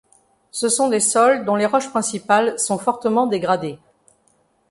Ce sont des sols dont les roches principales sont fortement dégradées.